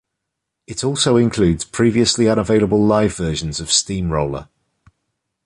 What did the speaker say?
It also includes previously unavailable live version of "Steamroller".